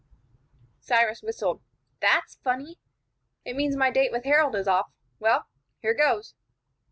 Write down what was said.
Cyrus whistled. "That's funny! It means my date with Harold is off. Well, here goes!"